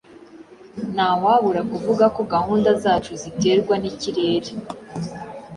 Ntawabura kuvuga ko gahunda zacu ziterwa nikirere.